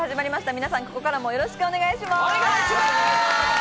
皆さんここからもよろしくお願いします。